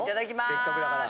せっかくだから。